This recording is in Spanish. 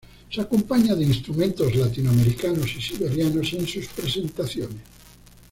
Se acompaña de instrumentos latinoamericanos y siberianos en sus presentaciones.